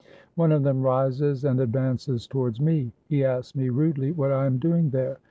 One of them rises and advances towards me. He asks me rudely what I am doing there.